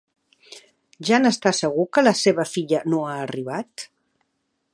Ja n'està segur que la seva filla no ha arribat?